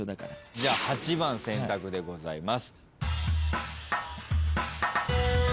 じゃ８番選択でございます。